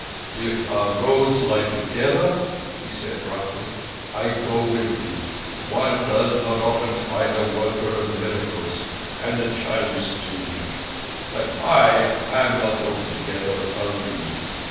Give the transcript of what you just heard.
"If our roads lie together," he said roughly, "I go with thee. One does not often find a worker of miracles, and the child is still weak. But I am not altogether a reed."